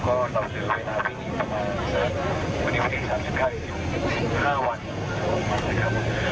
ก็ต้องลืมเวลาเวียงประมาณเป็นวันนี้๓๕วัน